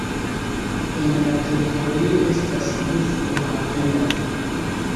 En la teritorio estas du flughavenoj.